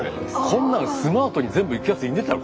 こんなんスマートに全部いくやついねえだろ。